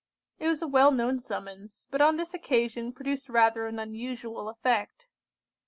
It was a well known summons, but on this occasion produced rather an unusual effect.